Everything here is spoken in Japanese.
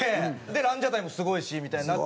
でランジャタイもすごいしみたいになって。